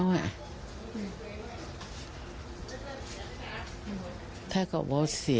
ว่าถ้าเขาเป็นฝ่ายพีชนะนี่